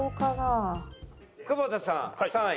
久保田さん３位。